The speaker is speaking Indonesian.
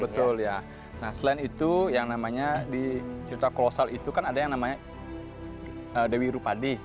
betul ya nah selain itu yang namanya di cerita kolosal itu kan ada yang namanya dewi rupadi